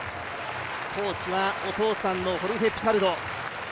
コーチはお父さんのホルヘ・ピカルド。